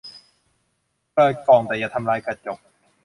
เปิดกล่องแต่อย่าทำลายกระจก